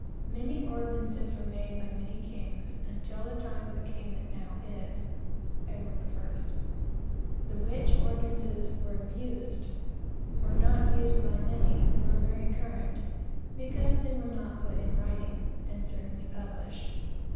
"Many ordinances were made by many kings, until the time of the king that now is (Edward I.); the which ordinances were abused, or not used by many, nor very current, because they were not put in writing, and certainly published."